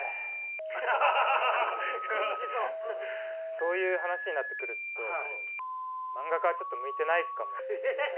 そういう話になってくると漫画家はちょっと向いてないかもしれない。